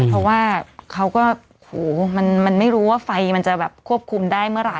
เพราะว่าเขาก็มันไม่รู้ว่าไฟมันจะแบบควบคุมได้เมื่อไหร